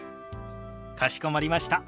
かしこまりました。